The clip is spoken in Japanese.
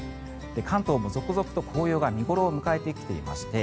関東も続々と紅葉が見頃を迎えてきていまして